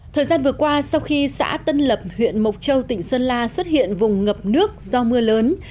thời gian vừa qua sau khi xã tân lập huyện mộc châu tỉnh sơn la xuất hiện vùng ngập nước do mưa lớn